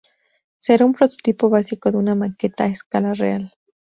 Será un prototipo básico de una maqueta a escala real.